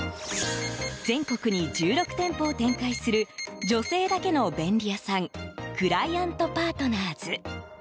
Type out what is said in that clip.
全国に１６店舗を展開する女性だけの便利屋さんクライアントパートナーズ。